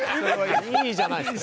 いいじゃないですか。